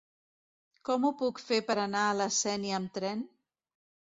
Com ho puc fer per anar a la Sénia amb tren?